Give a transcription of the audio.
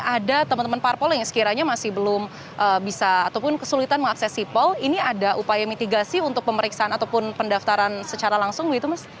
ada teman teman parpol yang sekiranya masih belum bisa ataupun kesulitan mengakses sipol ini ada upaya mitigasi untuk pemeriksaan ataupun pendaftaran secara langsung begitu mas